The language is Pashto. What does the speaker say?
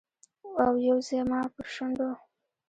او یو زما پر شونډو